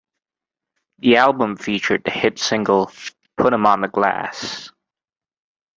The album featured the hit single Put 'Em On The Glass.